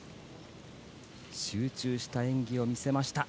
集中した演技を見せました。